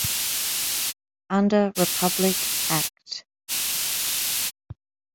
Under Republic Act.